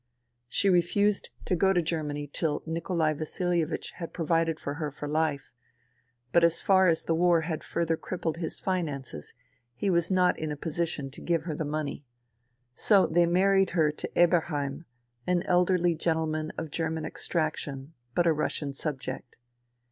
She refused to go to Germany till Nikolai Vasilievich had provided for her for life, but as the war had further crippled his finances he was not in a position to give her the money ; so they married her to Eberheim, an elderly gentleman of German extraction but a Russian subject.